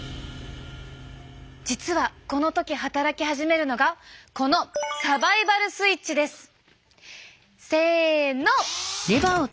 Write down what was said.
実はこの時働き始めるのがこのせの！